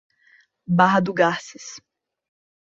Barra do Garças